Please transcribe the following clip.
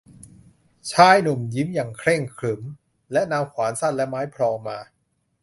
ชายหนุ่มยิ้มอย่างเคร่งขรึม และนำขวานสั้นและไม้พลองมา